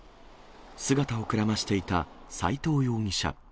姿をくらましていた斎藤容疑者。